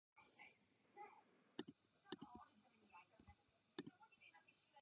Dodnes však není zdroj membrán dostatečně objasněn.